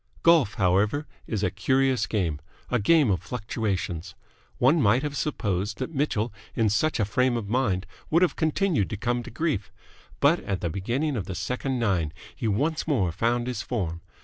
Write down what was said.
Golf, however, is a curious game a game of fluctuations. One might have supposed that Mitchell, in such a frame of mind, would have continued to come to grief. But at the beginning of the second nine he once more found his form.